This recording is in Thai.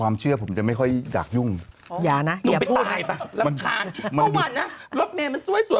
เมื่อวานนะรถเมลมันสวย